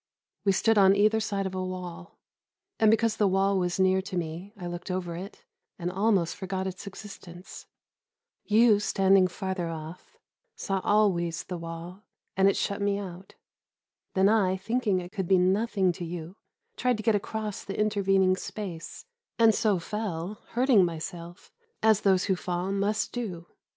We stood on either side of a wall, and because the wall was near to me I looked over it and almost forgot its existence. You, standing farther off, saw always the wall, and it shut me out. Then I, thinking it could be nothing to you, tried to get across the intervening space, and so fell, hurting myself, as those who fall must do.